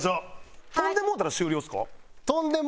飛んでもうたら終了ですか？